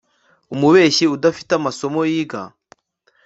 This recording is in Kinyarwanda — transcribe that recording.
Umubeshyi udafite amasomo yiga